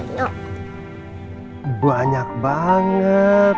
si buruk rupa